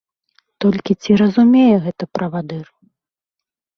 Толькі ці разумее гэта правадыр?